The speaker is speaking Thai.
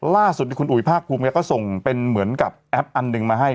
ล่าสุดคุณอุ๋ยภาคภูมิก็ส่งเป็นเหมือนกับแอปอันหนึ่งมาให้